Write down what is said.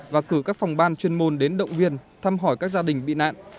và cử các phòng ban chuyên môn đến động viên thăm hỏi các gia đình bị nạn